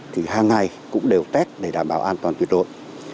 thì hàng ngày cũng đều test để đảm bảo an toàn tuyệt đối